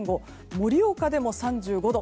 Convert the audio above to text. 盛岡でも３５度。